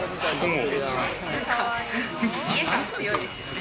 家感、強いですよね。